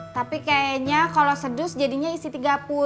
tapi kayaknya kalau sedus jadinya isi tiga puluh